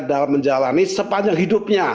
dalam menjalani sepanjang hidupnya